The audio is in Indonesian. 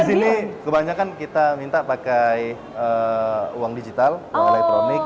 disini kebanyakan kita minta pakai uang digital uang elektronik